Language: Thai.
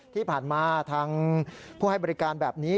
ที่ผ่านมาทางผู้ให้บริการแบบนี้